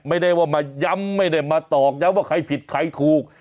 ไม่ได้ว่ามาย้ำไม่ได้มาตอกย้ำว่าใครผิดใครถูก